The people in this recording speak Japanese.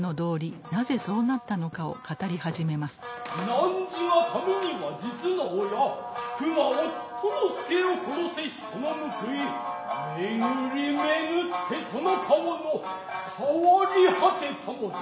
汝がためには実の親菊が夫の助を殺せしその報いめぐりめぐってその顔の変わりはてたも前世の約束。